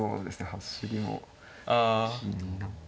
走りも気になって。